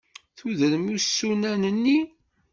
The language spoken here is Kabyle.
Tudrem isunan-nni.